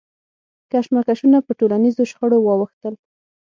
کشمکشونه پر ټولنیزو شخړو واوښتل.